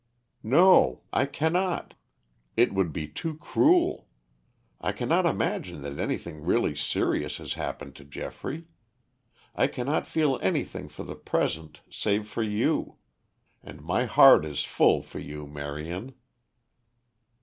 "No, I cannot. It would be too cruel. I cannot imagine that anything really serious has happened to Geoffrey. I cannot feel anything for the present, save for you. And my heart is full for you, Marion."